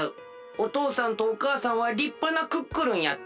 おとうさんとおかあさんはりっぱなクックルンやった。